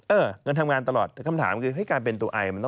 เออเงินทำงานตลอดแต่คำถามคือการเป็นตัวไอ